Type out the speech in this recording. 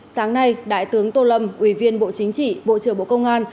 sáng nay đại tướng tô lâm ủy viên bộ chính trị bộ trưởng bộ công an